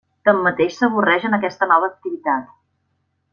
Tanmateix s'avorreix en aquesta nova activitat.